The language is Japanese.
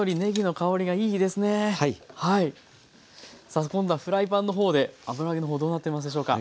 さあ今度はフライパンの方で油揚げの方どうなってますでしょうか。